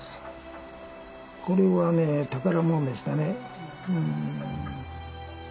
これはね宝物でしたね。